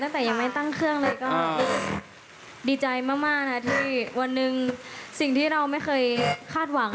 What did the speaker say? ตั้งแต่ยังไม่ตั้งเครื่องเลยก็ดีใจมากนะที่วันหนึ่งสิ่งที่เราไม่เคยคาดหวัง